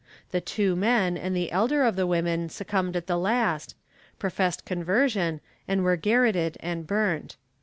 The two men and the elder of the women succumbed at the last, professed conversion and were garrotted and burnt.